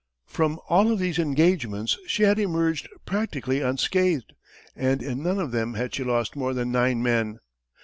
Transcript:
From all of these engagements she had emerged practically unscathed, and in none of them had she lost more than nine men.